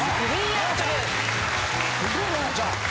すごい七菜ちゃん。